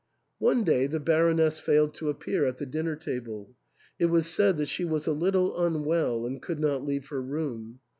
One day the Baroness failed to appear at the dinner table ; it was said that she was a little unwell, and could not leave her room.